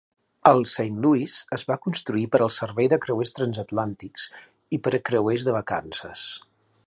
El "Saint Louis" es va construir per al servei de creuers transatlàntics i per a creuers de vacances.